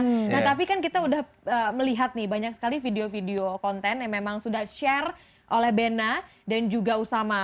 nah tapi kan kita udah melihat nih banyak sekali video video konten yang memang sudah share oleh bena dan juga usama